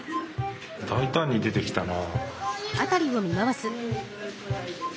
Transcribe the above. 大胆に出てきたな。